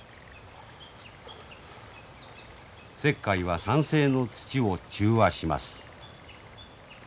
石灰は酸性の土を中和します。